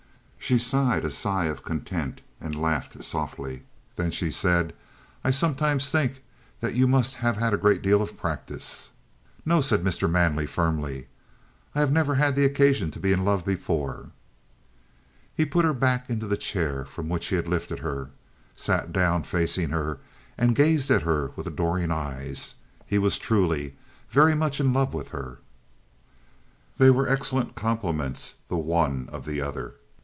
She sighed a sigh of content and laughed softly. Then she said: "I sometimes think that you must have had a great deal of practice." "No," said Mr. Manley firmly. "I have never had occasion to be in love before." He put her back into the chair from which he had lifted her, sat down facing her, and gazed at her with adoring eyes. He was truly very much in love with her. They were excellent complements the one of the other.